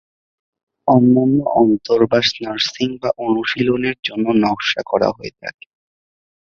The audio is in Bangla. অন্যান্য অন্তর্বাস নার্সিং বা অনুশীলনের জন্য নকশা করা হয়ে থাকে।